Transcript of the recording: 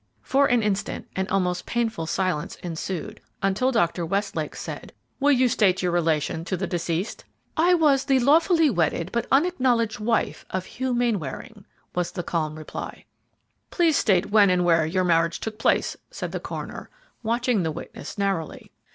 For an instant an almost painful silence ensued, until Dr. Westlake said, "Will you state your relation to the deceased?" "I was the lawfully wedded, but unacknowledged, wife of Hugh Mainwaring," was the calm reply. "Please state when and where your marriage took place," said the coroner, watching the witness narrowly.